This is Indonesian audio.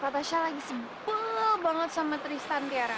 tasya lagi sibuk banget sama tristan tiara